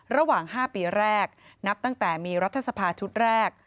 ระหว่าง๕ปีแรกนับตั้งแต่มีรัฐสภาชุดแรก